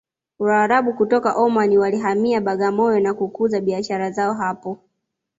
waarabu kutoka omani walihamia bagamoyo na kukuza biashara zao hapo